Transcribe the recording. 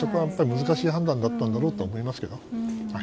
難しい判断だったんだろうと思いますけど。